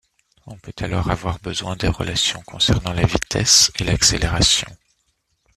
On peut alors avoir besoin des relations concernant la vitesse et l'accélération.